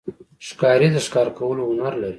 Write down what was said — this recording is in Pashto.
ښکاري د ښکار کولو هنر لري.